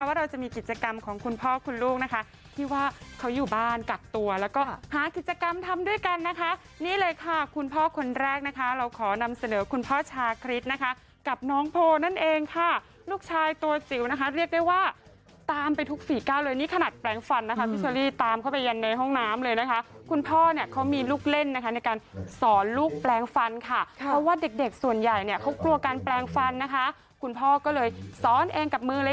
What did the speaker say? ว่าเราจะมีกิจกรรมของคุณพ่อคุณลูกนะคะที่ว่าเขาอยู่บ้านกักตัวแล้วก็หากิจกรรมทำด้วยกันนะคะนี่เลยค่ะคุณพ่อคนแรกนะคะเราขอนำเสนอคุณพ่อชาคริสนะคะกับน้องโพนั่นเองค่ะลูกชายตัวจิ๋วนะคะเรียกได้ว่าตามไปทุกฝีก้าวเลยนี่ขนาดแปลงฟันนะคะพี่ชวรีตามเข้าไปยันในห้องน้ำเลยนะคะคุณพ่อเนี่ยเขามีลูกเล่นนะคะในการสอน